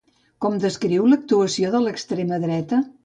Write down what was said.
Com descriu l'actuació de l'extrema dreta?